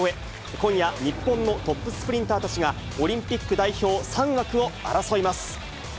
今夜、日本のトップスプリンターたちが、オリンピック代表３枠を争います。